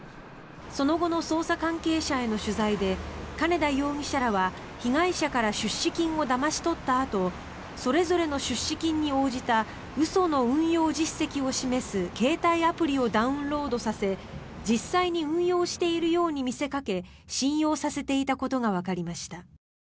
その後の捜査関係者への取材で金田容疑者らは被害者から出資金をだまし取ったあとそれぞれの出資金に応じた嘘の運用実績を示す携帯アプリをダウンロードさせ実際に運用しているように見せかけ信用させていたことがわかりました。